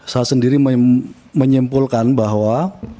saya sendiri menyimpulkan bahwa